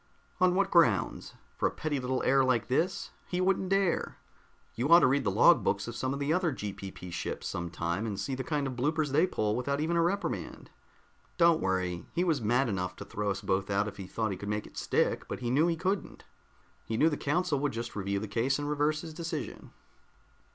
"On what grounds? For a petty little error like this? He wouldn't dare! You ought to read the log books of some of the other GPP ships some time and see the kind of bloopers they pull without even a reprimand. Don't worry, he was mad enough to throw us both out if he thought he could make it stick, but he knew he couldn't. He knew the council would just review the case and reverse his decision."